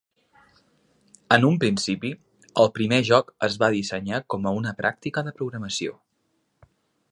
En un principi, el primer joc es va dissenyar com a una pràctica de programació.